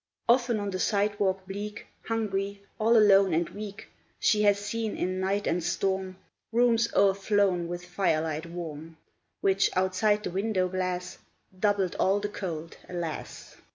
Often, on the sidewalk bleak, Hungry, all alone, and weak, She has seen, in night and storm, Rooms o'erflow with firelight warm, Which, outside the window glass, Doubled all the cold, alas!